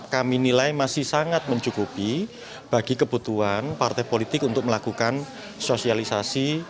kami nilai masih sangat mencukupi bagi kebutuhan partai politik untuk melakukan sosialisasi